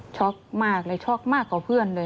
ช็อกมากเลยช็อกมากกว่าเพื่อนเลย